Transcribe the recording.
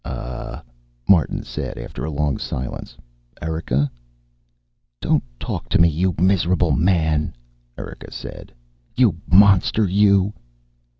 "Ah," Martin said, after a long silence. "Erika?" "Don't talk to me, you miserable man," Erika said. "You monster, you."